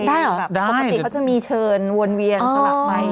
ปกติเขาจะชิงเชิญเวินเวียนสมัครไป